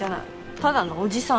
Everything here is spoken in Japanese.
ただのおじさん。